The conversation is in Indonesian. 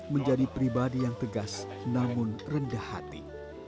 menjadi pribadi yang tegas namun rendah hati